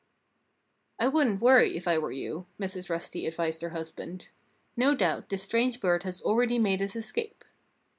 _'" "I wouldn't worry, if I were you," Mrs. Rusty advised her husband. "No doubt this strange bird has already made his escape."